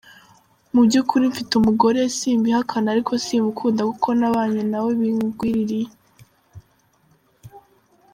"Mubyukuri mfite umugore simbihakana ariko simukunda kuko nabanye na we bingwiririye.